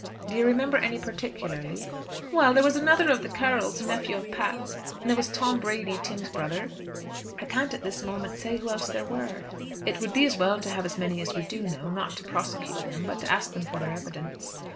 "Do you remember any particularly?" "Well, there was another of the Carrolls, a nephew of Pat's; and there was Tony Brady, Tim's brother. I can't at this moment say who else there were." "It would be as well to have as many as we do know, not to prosecute them, but to ask them for their evidence.